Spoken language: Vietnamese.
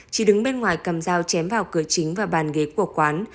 chỉ đứng bên ngoài cầm dao chém vào cửa chính và bàn ghế của quán